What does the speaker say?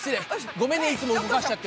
ごめんねいつも動かしちゃって。